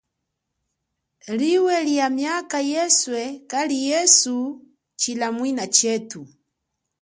Liwe lia miaka yeswe kali yesu tshilamwina chetu.